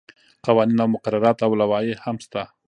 قوانین او مقررات او لوایح هم شته.